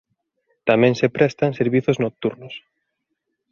Tamén se prestan servizos nocturnos.